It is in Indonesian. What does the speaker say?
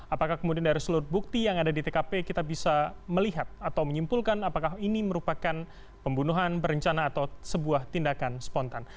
apakah kemudian dari seluruh bukti yang ada di tkp kita bisa melihat atau menyimpulkan apakah ini merupakan pembunuhan berencana atau sebuah tindakan spontan